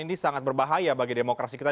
ini sangat berbahaya bagi demokrasi kita